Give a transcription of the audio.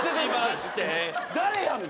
誰やんの？